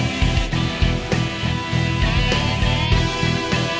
kalau kan pernah kita